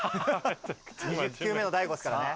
２０球目の大悟ですからね。